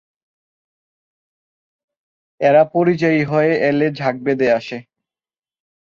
এরা পরিযায়ী হয়ে এলে ঝাঁক বেঁধে আসে।